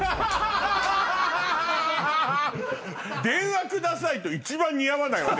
「電話ください」と一番似合わないわね